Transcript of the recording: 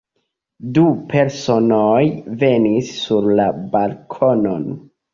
Du personoj venis sur la balkonon.